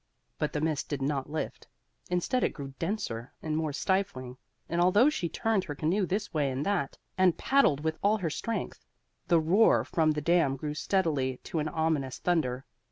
But the mist did not lift; instead it grew denser and more stifling, and although she turned her canoe this way and that and paddled with all her strength, the roar from the dam grew steadily to an ominous thunder.